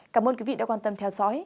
cảm ơn quý vị đã quan tâm theo dõi